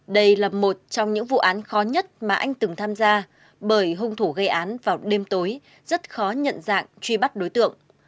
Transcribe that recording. đây là một trong những vụ án khó nhất mà anh từng tham gia bởi hung thủ gây án vào đêm tối rất khó nhận dạng truy bắt đối tượng